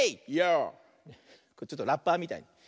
ちょっとラッパーみたい。